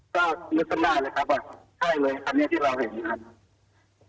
ก็นึกสัญญาเลยครับว่าใช่เลยครับที่เราเห็น